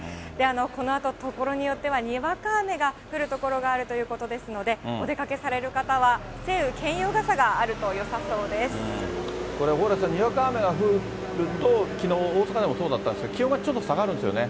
このあとところによっては、にわか雨が降る所があるということですので、お出かけされる方は、これ蓬莱さん、にわか雨が降ると、きのう、大阪でもそうだったんですけど、気温がちょっと下がるんですよね。